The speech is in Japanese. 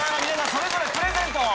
それぞれプレゼントを。